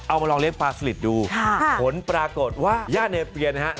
เอามาลองเลี้ยปลาสลิดดูค่ะผลปรากฏว่าย่าเนเปียนนะครับ